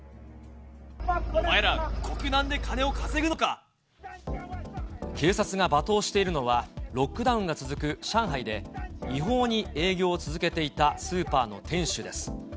お前ら、警察が罵倒しているのは、ロックダウンが続く上海で、違法に営業を続けていたスーパーの店主です。